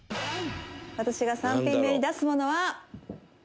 「私が３品目に出すものは」